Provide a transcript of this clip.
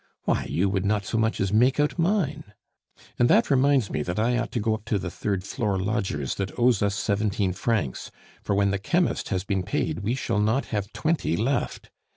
why, you would not so much as make out mine.... And that reminds me that I ought to go up to the third floor lodger's that owes us seventeen francs, for when the chemist has been paid we shall not have twenty left.